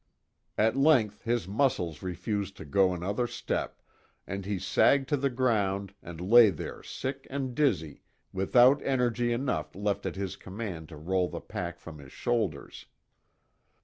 At length his muscles refused to go another step, and he sagged to the ground and lay there sick and dizzy without energy enough left at his command to roll the pack from his shoulders.